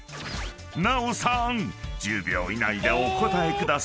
［奈緒さん１０秒以内でお答えください］